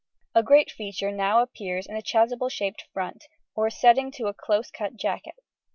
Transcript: A great feature now appears in the chasuble shaped front or setting to a closely cut jacket.